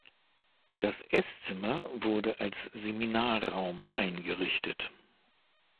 Das Esszimmer wurde als Seminarraum eingerichtet.